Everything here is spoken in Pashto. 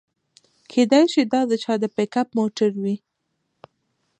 کیدای شي دا د چا د پیک اپ موټر وي